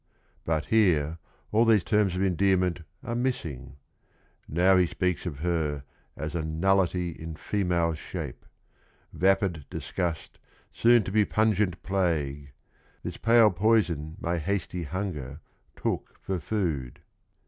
But here all these terms of endearment are miss ing. Now he speaks of her as a "nullity in female shape7' " J vapid disgust soon to be pungent piagiie7 ,* _TT this pale poison my hasty hunger took for food."